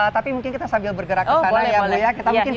tapi mungkin kita sambil bergerak ke sana ya bu ya